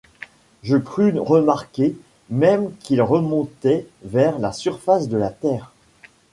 Je crus remarquer même qu’il remontait vers la surface de la terre.